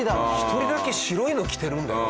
１人だけ白いの着てるんだよ。